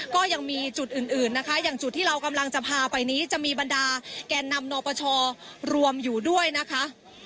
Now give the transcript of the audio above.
ก็ยังมีจุดอื่นอื่นนะคะอย่างจุดที่เรากำลังจะพาไปนี้จะมีบรรดาแก่นำนปชรวมอยู่ด้วยนะคะ